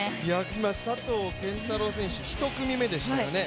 今、佐藤拳太郎選手、１組目でしたよね。